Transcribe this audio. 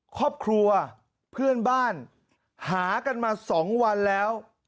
ครอบครัวเพื่อนบ้านหากันมา๒วันแล้ว